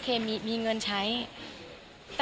ขอเริ่มขออนุญาต